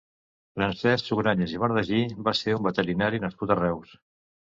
Francesc Sugrañes i Bardají va ser un veterinari nascut a Reus.